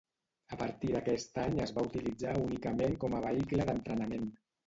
A partir d'aquest any es va utilitzar únicament com a vehicle d'entrenament.